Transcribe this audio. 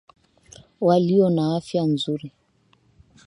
walio na afya nzuri